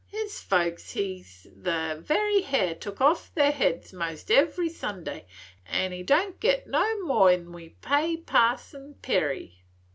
His folks hes the very hair took off their heads 'most every Sunday, and he don't get no more 'n we pay Parson Perry.